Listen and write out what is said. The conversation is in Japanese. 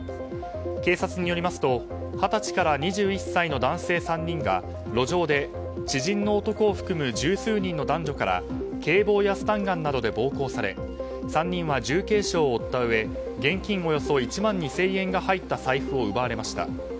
警察によりますと２０歳から２１歳の男性３人が路上で、知人の男を含む十数人の男女から警棒やスタンガンなどで暴行され３人は重軽傷を負ったうえ現金およそ１万２０００円が入った財布を奪われました。